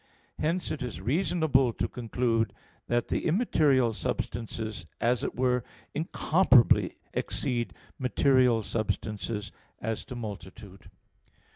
Hence it is reasonable to conclude that the immaterial substances as it were incomparably exceed material substances as to multitude.